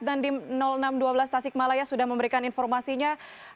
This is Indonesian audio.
dan di enam ratus dua belas tasik malaya sudah memberikan informasinya